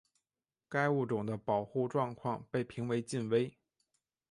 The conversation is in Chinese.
该物种的保护状况被评为近危。